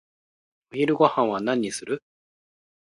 お昼ごはんは何にする？